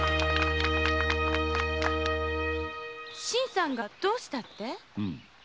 新さんがどうしたって？